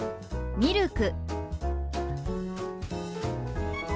「ミルク」。